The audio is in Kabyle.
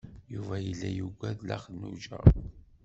Yuba yella yugad Nna Xelluǧa.